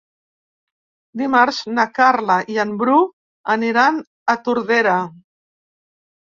Dimarts na Carla i en Bru aniran a Tordera.